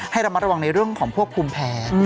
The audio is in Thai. ให้ระมัดระวังในเรื่องของพวกภูมิแพ้